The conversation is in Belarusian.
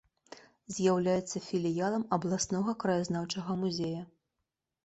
З'яўляецца філіялам абласнога краязнаўчага музея.